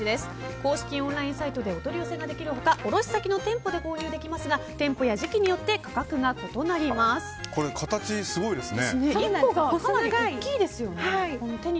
公式オンラインサイトでお取り寄せができる他卸先の店舗で購入できますが店舗や時期によって形、すごいですね。